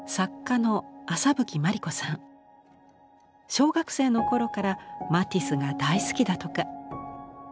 小学生の頃からマティスが大好きだとか。